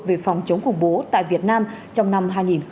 về phòng chống khủng bố tại việt nam trong năm hai nghìn hai mươi